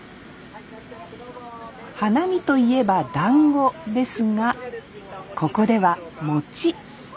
花見といえばだんごですがここでは餅。